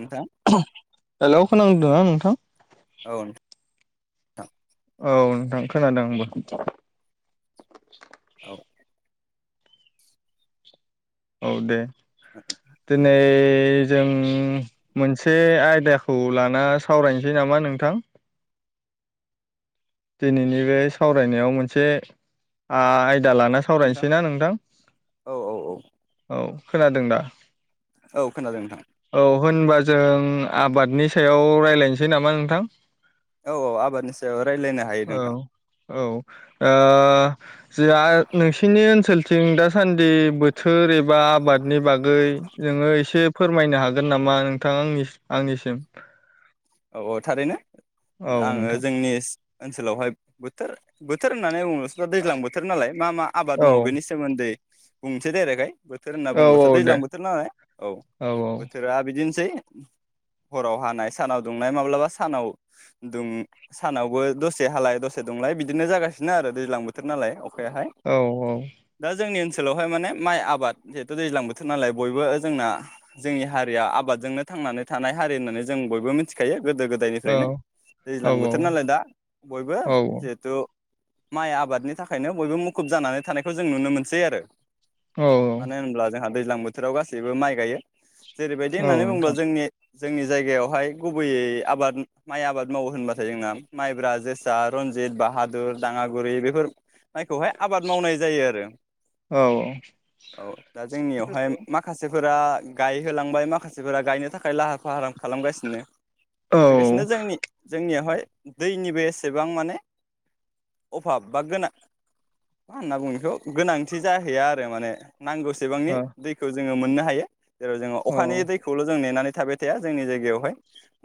नोंथां हेल' खोनादोना नोंथां औ नोंथां औ नोंथां खोनादों आंबो औ औ दे दिनै जों मोनसे आयदाखौ लाना सावरायनोसै नामा नोंथां दिनैनि बे सावरायनायाव मोनसे आय दा लाना सावरायनोसै ना नोंथां औ औ औ औ खोनादों दा औ खोनादों नोंथां औ होनबा जों आबादनि सायाव रायलायनोसै नामा नोंथां औ औ आबादनि सायाव रायलायनो हायो औ नोंथां औ ओ जोंहा नोंसिनि ओनसोलथिं दासान्दि बोथोर ए बा आबादनि बागै नोङो एसे फोरमायनो हागोन नामा नोंथां आंनि आंनिसिम औ औ थारैनो औ आङो नोंथां जोंनि ओनसोलावहाय बोथोर बोथोर होननानै बुंङो दा दैज्लां बोथोर नालाय मा मा आबाद औ मावो बेनि सोमोन्दै बुंसै दायरेकयै बोथोर होनना औ औ बुंङोबाथ' दे दैज्लां बोथोर नालाय औ बोथोरा बिदिनो सै हराव हानाय सानाव दुंनाय माब्लाबा सानाव सानावबो दसे हालाय दसे दुंलाय बिदिनो जागासिनो आरो दैज्लां बोथोर नालाय बेहाय औ दा जोंनि ओनसोल ओनसोलावहाय माने माइ आबाद जिहेथु दैज्लां बोथोर नालाय बयबो जोंना जोंनि हारिया आबादजोंनो थांनानै थानाय हारि होननानै जों बयबो मिथि मिथिखायो गोदो औ गोदायनिफ्रायनो औ दैज्लां बोथोर नालाय दा बयबो औ जिहेथु माइ आबादनि थाखायनो बयबो मुखुब जानानै थानायखौ जों नुनो मोनसै आरो औ मानो होनब्ला जोहा दैज्लां बोथोराव गासैबो माइ गायो जेरैबायदि औ होननानै बुङोब्ला नोंथां जोंनि जोंनि जायगायावहाय गुबैयै आबाद माइ आबाद मावो होनबाथाय जोंना माइब्रा जोसा रनजित बाहादुर दाङागुरि बेफोर माइखौहाय आबाद मावनाय जायो आरो औ औ दा जोंनियावहाय माखासे फोरा गायहोलांबाय माखासेफोरा गायनो थाखाय लाहार फाहार खालामगासिनो औ लोगोसेनो जोंनि जों जोंनियावहाय दैनिबो एसेबां माने अभाब बा गोनां मा होनना बुंङो बेखौ गोनांथि जाहैया आरो माने नांगौसेबांनि दैखौ जों जोङो मोननो हायो जेरै जोङो औ अखानि दैखौल' जों नेनानै थाबाय थाया जोंनि जायगायावहाय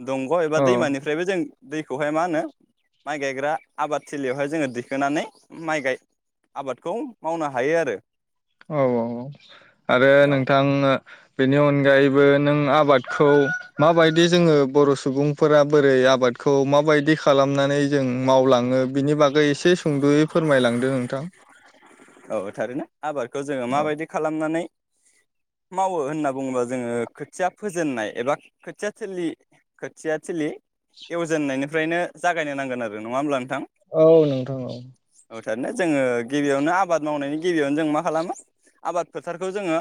दंग' एबा दैमानिफ्रायबो जों दैखौहाय मा होनो माइ गायग्रा आबादथिलियावहाय जोङो दिखोनानै माइ गाय आबादखौ मावनो हायो आरो औ औ औ आरो औ नोंथां बेनि अनगायैबो नों आबादखौ माबायदि जोङो बर' सुबुंफोरा बोरै आबादखौ माबायदि खालामनानै जों मावलाङो बिनि बागै एसे सुंद'यै फोरमायलांदों नोंथां औ थारैनो आबादखौ जोङो औ माबायदि खालामनानै मावो होनना बुङोब्ला जोङो खोथिया फोजेननाय एबा खोथिया थिलि खोथिया थिलि एवजेननायनिफ्रायनो जागायनो नांगोन आरो नङा होमब्लानो औ नोंथां औ ओरैनो जोङो गिबियावनो आ आबाद मावनायनि गिबियावनो जों मा खालामो आबाद फोथारखौ जोङो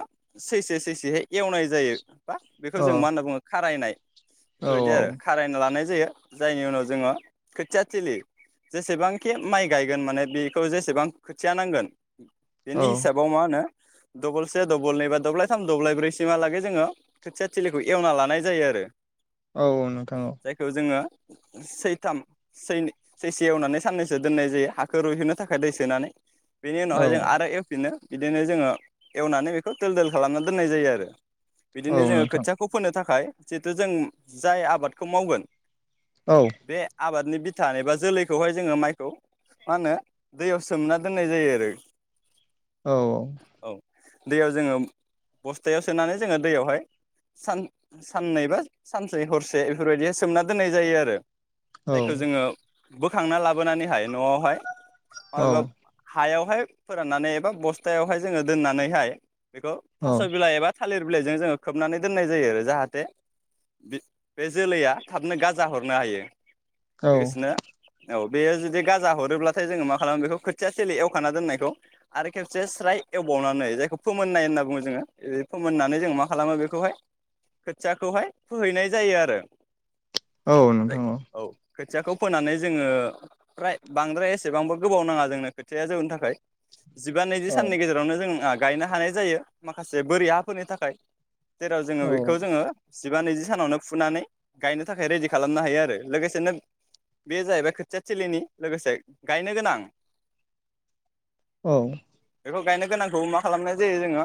सैसे सैसेहै एवनाय जायो बा बेखौ जों मा औ होनना बुङो खारायनाय बेफोरबायदि आरो औ खारायना लानाय जायो जायनि उनाव जोङो खोथिया थिलि जेसेबांखि माइ गायगोन माने बेखौ जेसेबां खोथिया नांगोन औ बेनि हिसाबाव मा होनो डबल से डबल नै बा दब्लाय थाम दब्लाय ब्रैसिमहालागै जोङो खोथिया थिलिखौ एवना लानाय जायो आरो। औ औ नोंथां औ। जायखौ जोङो सैथाम सैसे एवनानै साननैसो दोननाय जायो हाखौ रुइहोननो थाखाय दै सोनानै बेनि औ उनावहाय जों आरो एवफिनो बिदिनो जोङो एवनानै बेखौ दोल दोल खालामना दोननाय जायो आरो। औ बिदिनो जोङो नोंथां खोथियाखौ फोननो थाखाय। थाखाय जिहेथु जों जाय आबादखौ मावगोन। औ बे आबादनि बि बा जोलैखौहाय जोङो माइखौ मा होनो दै सोमना दोन होननाय जायो आरो। औ औ दैयाव जोङो बस्थायाव सोनानै जोङो दैयावहायान साननै बा सानसे हरसे एफोरबायदिाय सोमना दोननाय जायो आरो। जायखौ औ जोङो। बोखांना लाबोनानैहाय न'आवहाय [unintelligible] हायावहाय फोराननानै एबा बस्थायावहाय जोङो दोननानैहाय बेखौ औ थास' बिलाइ एबा थालिर बिलाइजों जोङो खोबनानै दोननाय जायो आरो जाहाथे बे जोलैया थाबनो गाजा हरनो हायो। औ लोगोसेनो औ बेयो जुदि गाजा हरोब्लाथाय जोङो मा खालामो बेखौ खोथिया जिले एवखाना दोननायखौ आरो खेबसे स्राय एवबावनानै जायखौ फोमोननाय होनना बुङो जोङो बे फोमोननानै जों मा खालामो बेखौहाय खोथियाखौहाय फोहैनाय जायो आरो। औ नोंथां औ खोथियाखौ फोनानै जोङो फ्राय बांद्राय एसेबांबो गोबाव नाङा जोंनो। खोथिया जौनो थाखाय जिबा नैजि साननि गेजेरावनो जों गायनो हानाय जायो माखासे बोरि हाफोरनि थाखाय। जेराव जोङो औ बेखौ जोङो। जिबा नैजि सानावनो फुनानै गायनो थाखाय रेडि खालामनो हायो आरो लोगोसेनो बे जाहैबाय खोथिया थिलिनि लोगोसे गायनो गोनां। औ बेखौ गायनो गोनांखौ मा खालामनाय जायो जोङो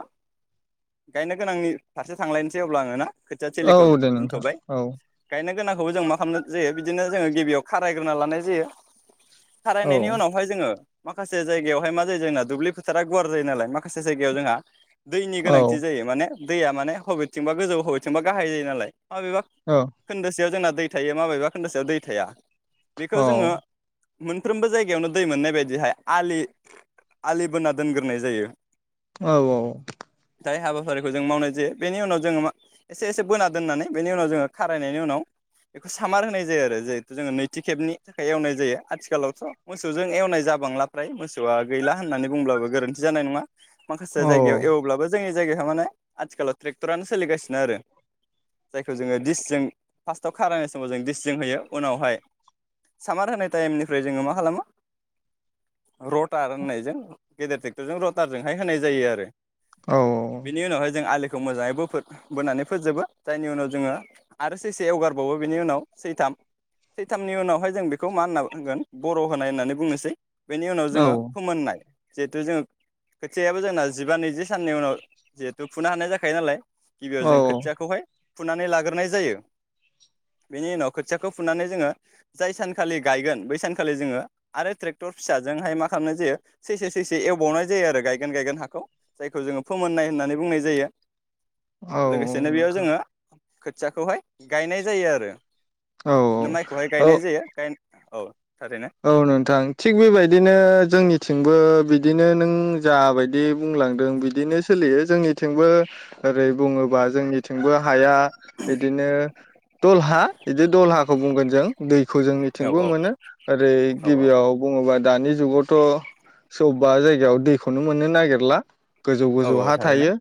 गायनो गोनांनि फारसे थांलायनोसै अब्ला आङो ना। खोथिया औ थिलिखौ दे नोंथां दोनथ'बाय औ गायनो गोनांखौबो जों मा खालामनाय जायो बिदिनो जोङो गिबियाव खारायग्रोना लानाय जायो। औ खारायनायनि उनावहाय जोङो माखासे जायगायावहाय मा जायो जोंना दुब्लि फोथारा गुवार जायो नालाय माखासे जायगायाव जोंहा। दैनि औ गोनांथि जायो माने दैया माने हबेथिंबा गोजौ हबेथिंबा गाहाय जायो नालाय माबेबा औ खोन्दोसेयाव जोंना दै थायो माबेबा खोन्दासआव दै थाया औ बेखौ जोङो मोनफ्रोमबो जायगायावनो दै मोननाय बायदिहाय आलि आलि बोना दोनग्रोनाय जायो औ औ हाबाफारिखौ जों मावनाय जायो बेनि उनाव जोङो मा एसे एसे बोना दोननानै बेनि उनाव जोङो खारायनायनि उनाव बेखौ सामार होनाय जायो आरो जिहेथु जोङो नैथि खेबनि थाखाय एवनाय जायो आथिखालावथ' मोसौजों एवनाय जाबांला फ्राय मोसौआ गैला होननानै बुंब्लाबो गोरोन्थि जानाय नङा माखासे नोंथां जायगायाव एवब्लाबो जोंनि जायगायाव माने आथिखालाव ट्रेटरानो सोलिगासिनो आरो जायखौ जोङो डिसजों फार्स्टआव खारायनाय समाव जों दिडिसजों होयो उनावहाय सामार होनाय टाइमनिफ्राय जोङो मा खालामो रटार होननायजों गेदेर ट्रेक्टरजों रटारजोंहाय होनाय जायो आरो औ बेनि उनावहाय जों आलि खौ मोजाङै बो बोनानै फोजोबो जायनि उनाव जोङो आरो सैसे एवगारबावो बेनि उनाव सैथाम सैथामनि उनावहाय जों बेखौ मा होनना बुंगोन बर' होनाय होननानै बुंनोसै बेनि उनाव जोङो फोमोननाय जिहेथु जों खोथियाबो जोंना जिबा नैजि साननि उनाव जिहेथु फुनो हानाय जाखायो नालाय गिबियाव जों खोथियाखौहाय फुनानै लाग्रोनाय जायो बेनि उनाव खोथियाखौ फुनानै जोङो जाय सानखालि गायगोन बै सानखालि जोङो आरो ट्रेक क्टर फिसाजोंहाय मा खालामनाय जायो सैसे सैसे एवबावनाय जायो आरो गायगोन गायगोन हाखौ जायखौ जोङो फोमोननाय होननानै बुंनाय जायो। लोगोसेनो बेयाव जोङो खोथियाखौहाय गायनाय जायो आरो बिदिनो माइखौहाय औ औ गायनाय जायो गाय औ थारैनो औ नोंथां थिग बेबायदि जोंनिथिंबो बिदिनो नों ज बायदि बुंलांदों बिदिनो सोलियो जोंनिथिंबो ओरै बुङोबा जोंनि थिंबो हाया बिदिनो दलहा बिदि दलहाखौ बुंगोन जों दैखौ औ जोंनिथिंबो औ मोनो ओर औ औ गिबियाव बुङोबा दानि जुगावथ' सोरबाबा जायगायाव दैखौनो मोननो नागिरला गोजौ औ गोजौ औ हा थारैनो थायो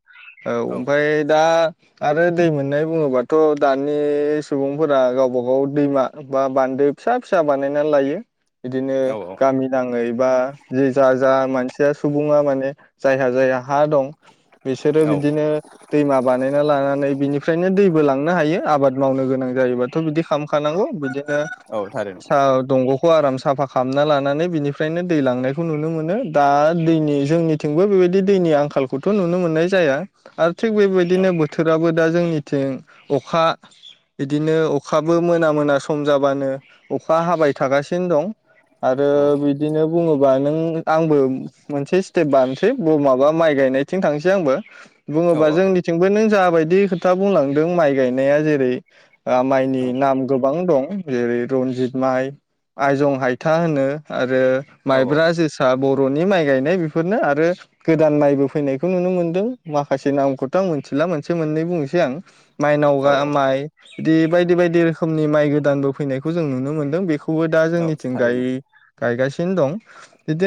औ ओमफ्राय दा आरो दै मोननाय बुङोबाथ' दानि सुबुंफोरा गावबा गाव दैमा बा बान्दो फिसा फिसा बानायनानै लायो बिदिनो औ गामि नाङै बा जा जा मानसिया सुबुङा माने जायहा जाया हा दं बिसोरो औ औ बिदिनो दैमा बानायना लानानै बिनिफ्रायनो दैबो लांनो हायो आबाद मावनो गोनां जायोबाथ' बिदि खालामखानांगौ बिदिनो औ थारैनो दंग आराम साफा खालामना लानानै बिनिफ्रायनो दै लांनायखौ नुनो मोनो दा दैनि जोंनिथिंबो बेबायदि दैनि आंखालखौथ' नुनो मोननाय जाया आरो थिग औ बेबायदिनो बोथोराबो दा जोंनिथिं अखा बिदिनो अखाबो मोना मोना सम जाबानो अखा हाबाय थागासि नो दं आरो औ बिदिनो बुङोबा नों आंबो मोनसे स्टेप बानोसै माबा माइ गायनायथिं थांसै आंबो औ बुङोबा जोंनिथिंबो नों जा बायदि खोथा बुंलांदों माइ गायनाया जेरै ओ माइनि नाम गोबां दं जेरै रनजित माइ आयजं हायथा होनो आ रो माइब्रा जोसा बर'नि माइ गायनाय बेफोरनो आरो गोदान माइबो फैनायखौ नुनो मोनदों माखासे नामखौथ' आं मोनथिला मोनसे मोननै बुंनोसै आं माइनाव औ माइ बिदि बायदि बायदि रोखोमनि माइ गोदानबो फैनायखौ जों नुनो मोनदों बे खौबो दा औ जोंनिथिं गाय थारैनो गासि सिनो दं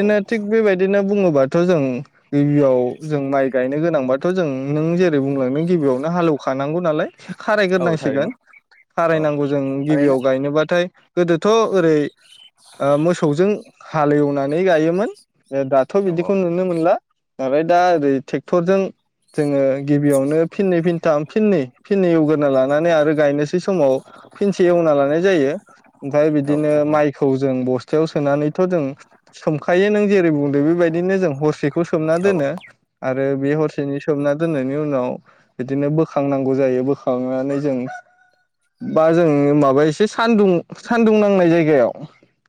औ थिक बेबायदिनो बुङो बाथ' जों गिबियाव जों माइ गायनो गोनांबाथ' जों नों जेरै बुंलांनो गिबियावनो हालेवखानांगौ नालाय औ खारायग्रोनांसिगोन थारैनो औ खारायनांगौ जों गिबियाव थारैनो गायनोबाथाय गोदो थ' ओरै ओ मोसौजों हालेवनानै गायोमोन ए दाथ' औ बिदिखौ नुनो मोनला ओफ्राय दा ओरै ट्रेक्ट रजों जोङो गिबियावनो फिननै फिनथाम फिननै फिननै एवग्रोना लानानै आरो गायनोसै समाव फिनसे एवना लानाय जायो ओमफ्राय औ बिदिनो थारैनो माइखौ जों बस्थ थायाव सोनानैथ' जों सोमखायो नों जेरै बुंदों बेबायदिनो जों हरसेखौ सोमना औ दोनो आरो बे हरसेनि सोमना दोननायनि उनाव बिदिनो बोखांनांगौ जायो बोखांनानै जों बा जों माबा एसे सानदुं सान्दुं नांनाय जायगायाव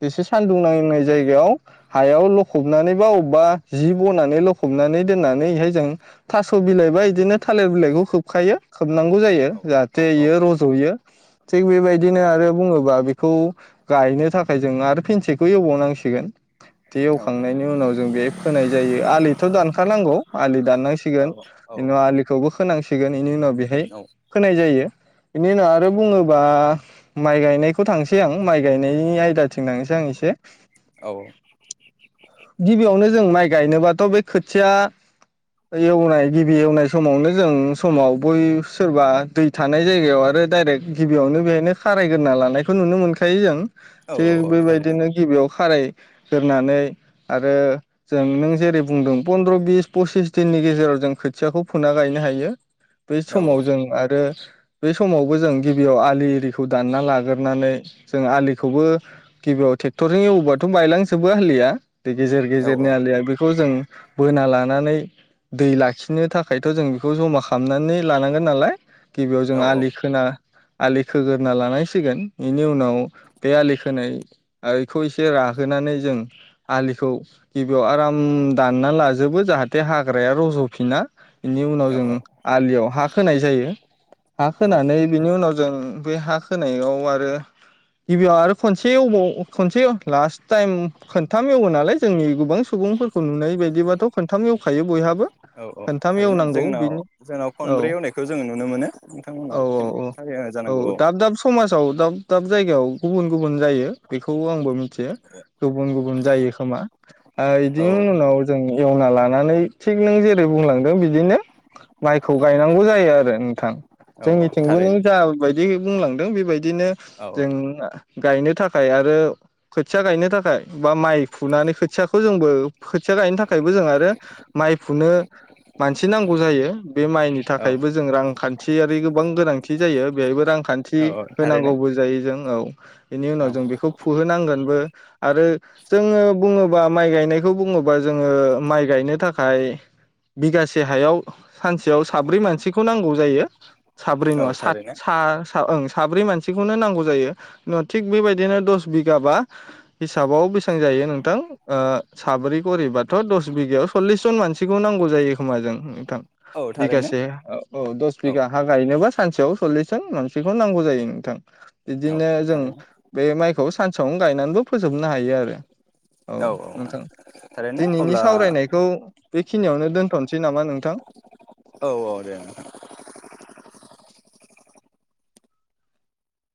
एसे सान्दुं नांनाय जायगायाव हायाव लखबनानैबा अबेबा जि बनानै लखबनानै दोननानैहाय जों थास' बिलाइबा बिदिनो थालिर बिलाइखौ खोबखायो खोबनांगौ जायो औ जाहाथे औ इयो रज'यो थिग बेबायदिनो आरो बुङोबा खौ गायनो थाखाय जों आरो फेनसेखौ एवबावनांसिगोन बे औ एवखांनायनि उनाव जों बे फोनाय जायो आलिथ' दानखानांगौ आलि दाननांसिगोन बेनि आलिखौबो फोनांसिगोन बेनि उनाव बेहाय फोनाय जायो बेनि उनाव आरो बुङोबा माइ गायनाय खौ थांनोसै आं माइ गायनायनि आयदाथिं थांनोसै आं एसे औ गिबियावनो जों माइ गायनोबाथ' बे खोथिया एवनाय गिबि एवनाय समावनो जों समाव बै सोरबा दै थानाय जायगायाव आरो डायरेक्ट गिबियावनो बेहायनो खारायगोरोना लानायखौ नुनो मोनखायो जों थिग थारैनो बेबायदिनो गिबियाव खारायगोरनानै आरो जों नों जेरै बुंदों पन्द्र बिस पसिस दिननि गेजेराव जों खोथियाखौ फुना गायनो हायो। औ बै समाव जों आरो बे समावबो जों गिबियाव आलि इरिखौ दानना लाग्रोनानै जों आलिखौबो गिबियाव ट्रेक्टरजों एवोबाथ बायलांजोबो आलिया बे गेजेर औ औ गेजेरनि आलिया बे बेखौ जों बोना लानानै दै लाखिनो थाखायथ जों बेखौ जमा खालामनानै लानांगोन नालाय। गिबियाव जों आलि खोना आलि खोग्रोना लानांसिगोन बेनि उनाव बे आलि खोनायखौ एसे राहोनानै जों आलिखौ गिबियाव आराम दानना लाजोबो जाहाथे हाग्राया रजफिना बेनि उनाव जों औ आलियाव हा खोनाय जायो। हा औ खोनानै बिनि उनाव जों बे हा खोनायाव आरो गिबियाव आरो खनसे एवबाव खनसे लास्ट टाइम खोन खोनथाम एवो नालाय जोंनि गोबां सुबुंफोरखौ नुनाय बायदिबाथ खनथाम एवखायो बयहाबो। औ औ खोनथाम थारैनो एवनांगौ जोंनाव बिनि जोंनाव औ खनब्रै एवनायखौ जोङो नुनो मोनो। औ नोंथांमोनाव औ खनथाम हेवनाय जानांगौ औ दाब दाब समाजाव दाब दाब जायगायाव गुबुन गुबुन जायो। बेखौ आंबो मिथियो गुबुन गुबुन जायो खोमा बिदि औ उनाव जों एवना ला नानै थिग नों जेरै बुंलांदों बिदिनो माइखौ गायनांगौ जायो आरो नोंथां। औ जोंनि औ थिंबो नों थारैनो जा बायदि बुंलांदों बेबाय दिनो औ जों गायनो थाखाय आरो खोथिया गायनो थाखाय। बा माइ फुनानै खोथियाखौ जोंबो खोथिया गायनो थाखायबो जों आरो माइ फुनो मानसि नांगौ जायो। बे माइनि औ थाखायबो जों रांखान्थि न्थियारि गोबां गोनांथि जायो बेवहायबो रां खान्थि औ औ थारैनो होनांगौबो जायो जों औ बेनि उनाव औ जों बेखौ फुहोनांगोन। बो आरो जोङो बुङोबा माइ गायनायखौ बुङोबा जोङो माइ गायनो थाखाय बिगासे हायाव सानसेयाव साब्रै मानसिखौ नांगौ जायो। साब्रै औ नङा सा थारैनो सा ओं साब्रै मानसिखौनो नांगौ जायो थिग बेबायदिनो दस बिगाबा हिसाबाव बेसेबां जायो नोंथां ओ साब्रै गरिबाथ‌ दस बिगायाव सल्लिस जन मानसिखौ नांगौ जायो खोमा जों नोंथां। औ थारैनो बिगासे औ दस औ बिगा हा गायनोबा सानसेयाव सल्लिस जन मांसिखौ नांगौ जायो नोंथां। औ बिदिनो जों थारैनो बे माइ सानसेयावनो गायनानैबो फोजोबनो हायो आरो। [inaudible] औ नोंथां औ थारैनो दिनैनि अब्ला सावरायनायखौ बेखिनियावनो दोनथ'नोसै नामा नोंथां औ औ दे नोंथां